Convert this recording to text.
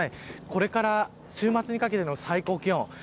これから週末にかけての最高気温です。